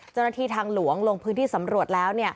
เจ้าหน้าที่ทางหลวงลงพื้นที่สำรวจแล้ว